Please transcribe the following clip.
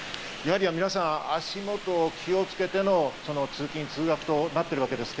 皆さん、足元を気をつけての通勤・通学となっているわけです。